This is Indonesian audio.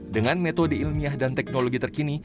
dengan metode ilmiah dan teknologi terkini